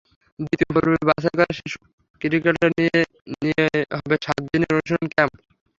দ্বিতীয় পর্বে বাছাই করা শিশু ক্রিকেটার নিয়ে হবে সাত দিনের অনুশীলন ক্যাম্প।